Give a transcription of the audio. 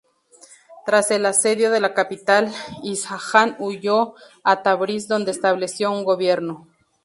Tras el asedio de la capital, Isfahan, huyó a Tabriz donde estableció un gobierno.